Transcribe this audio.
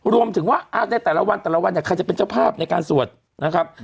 รวมถึงว่าในแต่ละวันแต่ละวันเนี่ยใครจะเป็นเจ้าภาพในการสวดนะครับ